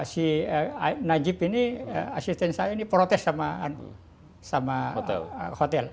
si najib ini asisten saya ini protes sama hotel